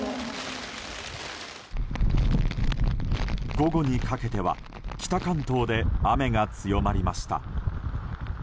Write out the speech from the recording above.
午後にかけては北関東で雨が強まりました。